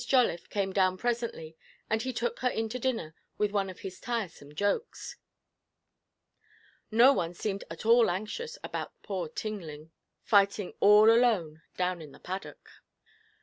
Jolliffe came down presently, and he took her in to dinner with one of his tiresome jokes. No one seemed at all anxious about poor Tinling, fighting all alone down in the paddock.